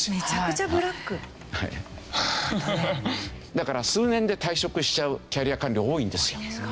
だから数年で退職しちゃうキャリア官僚多いんですよ。